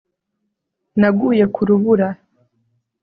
naguye ku rubura